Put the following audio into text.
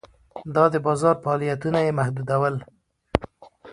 دا د بازار فعالیتونه یې محدوداوه.